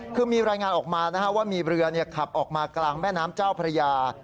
คือมีรายงานออกมาว่ามีเรือขับออกมากลางแม่น้ำเจ้าพระยา